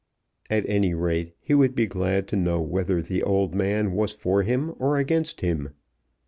At any rate he would be glad to know whether the old man was for him or against him.